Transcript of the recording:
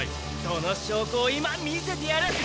そのしょうこを今見せてやる。